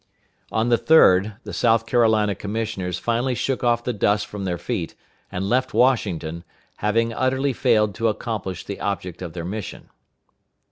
On the 3d, the South Carolina commissioners finally shook off the dust from their feet, and left Washington, having utterly failed to accomplish the object of their mission.